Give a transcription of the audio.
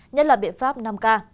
nhất là biện pháp năm k